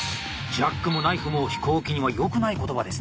ジャックもナイフも飛行機にはよくない言葉ですね。